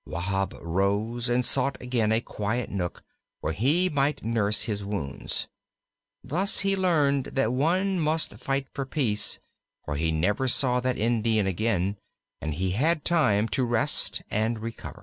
Wahb rose, and sought again a quiet nook where he might nurse his wounds. Thus he learned that one must fight for peace; for he never saw that Indian again, and he had time to rest and recover.